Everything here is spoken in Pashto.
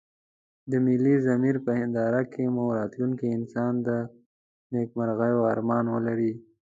د ملي ضمير په هنداره کې مو راتلونکی انسان د نيکمرغيو ارمان ولري.